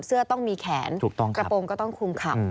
เชื้อต้องมีแขนกระโปรงก็ต้องคลุมขับ